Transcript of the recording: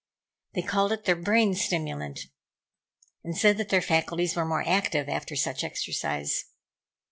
They called it their brain stimulant, and said that their faculties were more active after such exercise.